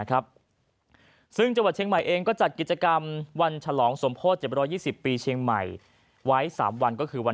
จังหวัดเชียงใหม่จัดกิจกรรมวันฉลองสมโพธิ๗๒๐ปีเชียงใหม่ไว้๓วัน